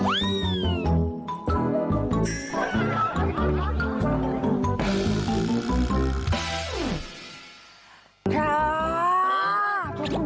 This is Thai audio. ย่ายดาวข้าวอีย้าง